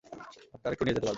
হাতটা আরেকটু নিয়ে যেতে পারবো।